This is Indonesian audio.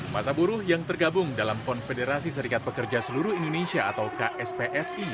masa buruh yang tergabung dalam konfederasi serikat pekerja seluruh indonesia atau kspsi